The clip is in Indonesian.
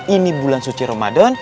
ini bulan suci ramadan